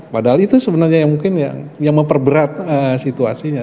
padahal itu sebenarnya yang mungkin yang memperberat situasinya